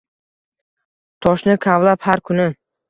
Toshni kavlab har kuni